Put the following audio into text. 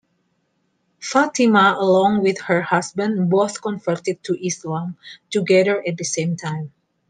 Fatima along with her husband both converted to Islam together at the same time.